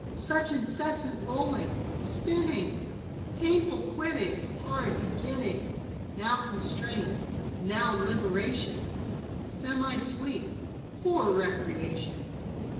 Such incessant rolling, spinning, — Painful quitting, hard beginning, — Now constraint, now liberation, — Semi sleep, poor recreation.